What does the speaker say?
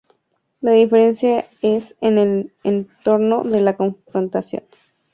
La diferencia es en el entorno de la confrontación.